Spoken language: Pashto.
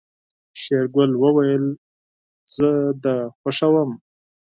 شېرګل وويل زه دې خوښوم.